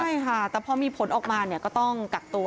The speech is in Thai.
ใช่ค่ะแต่พอมีผลออกมาเนี่ยก็ต้องกักตัว